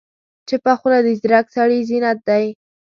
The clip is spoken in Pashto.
چپه خوله، د ځیرک سړي زینت دی.